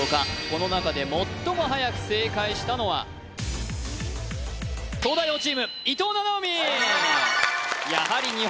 この中で最もはやく正解したのは東大王チーム伊藤七海！